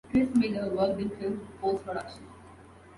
Chris Miller worked in film post-production.